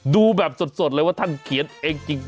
ดูแบบสดเลยว่าท่านเขียนเองจริง